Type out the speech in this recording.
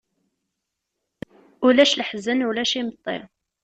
Ulac leḥzen, ulac imeṭṭi.